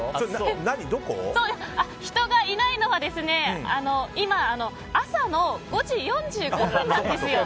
人がいないのは今、朝の５時４５分なんですよ。